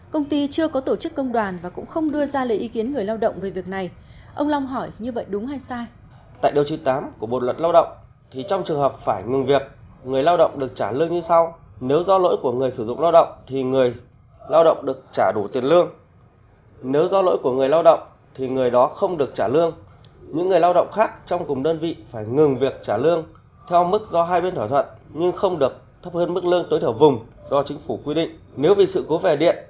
công ty chưa có tổ chức công đoàn và cũng không đưa ra lời ý kiến người lao động về việc này ông long hỏi như vậy đúng hay sai